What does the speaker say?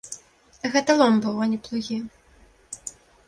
Гэта лом быў, а не плугі.